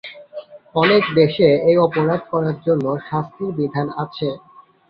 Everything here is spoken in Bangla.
অনেক দেশে এই অপরাধ করার জন্য শাস্তির বিধান আছে।